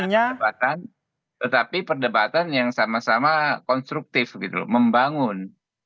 perdebatan tetapi perdebatan yang sama sama konstruktif gitu loh membangun